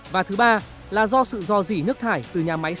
và thứ ba là do sự do gì nước thải từ nhà máy rác